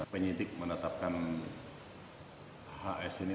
penyidik menetapkan hak sh ini